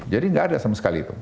jadi nggak ada sama sekali itu